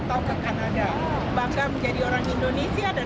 bangga menjadi orang indonesia dan bangga menjadi orang indonesia